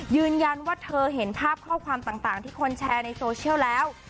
ยืนยันว่าเธอเห็นภาพข้อความต่างที่คนแชร์ในโซเชียลแล้ว